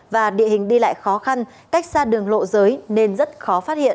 và địa hình đi lại khó khăn cách xa đường lộ giới nên rất khó phát hiện